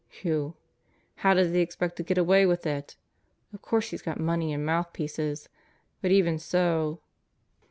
Whew! How does he expect to get away with it? Of course he's got money and mouthpieces. But even so